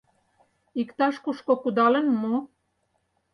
— Иктаж-кушко кудалын мо?